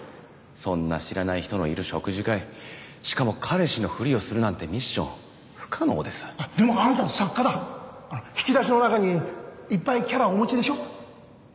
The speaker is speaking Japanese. そんな知らない人のいる食事会しかも彼氏のふりをするなんてミッション不可能ですでもあなたは作家だ引き出しの中にいっぱいキャラをお持ちでしょ？